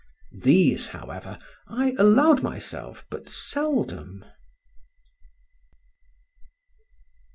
These, however, I allowed myself but seldom.